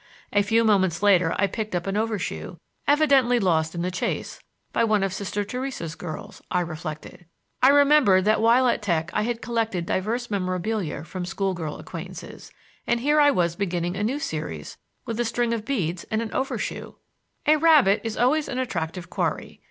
A few moments later I picked up an overshoe, evidently lost in the chase by one of Sister Theresa's girls, I reflected. I remembered that while at Tech I had collected diverse memorabilia from school girl acquaintances, and here I was beginning a new series with a string of beads and an overshoe! A rabbit is always an attractive quarry.